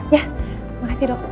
ya makasih dok